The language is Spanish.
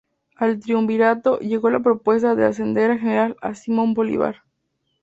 Al triunvirato llegó la propuesta de ascender a general a Simón Bolívar.